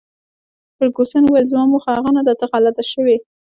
فرګوسن وویل: زما موخه هغه نه ده، ته غلطه شوې.